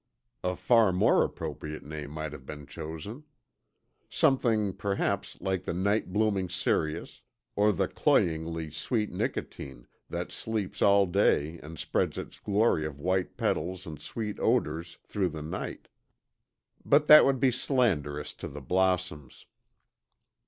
A far more appropriate name might have been chosen. Something, perhaps, like the night blooming cereus, or the cloyingly sweet nicotine, that sleeps all day and spreads its glory of white petals and sweet odors through the night. But that would be slanderous to the blossoms.